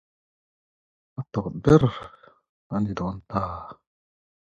Walker developed with business, jobs and other services generated by four other logging companies.